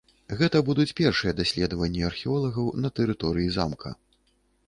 Гэта будуць першыя даследаванні археолагаў на тэрыторыі замка.